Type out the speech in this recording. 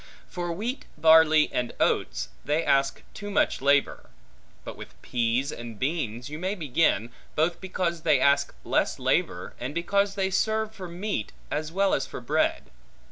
For wheat, barley, and oats, they ask too much labor; but with pease and beans you may begin, both because they ask less labor, and because they serve for meat, as well as for bread.